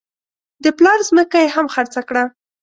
د پلار ځمکه یې هم خرڅه کړه.